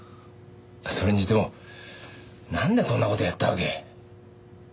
それにしてもなんでこんな事やったわけ？